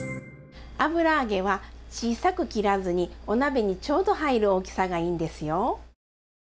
油揚げは小さく切らずにお鍋にちょうど入る大きさがいいんですよ。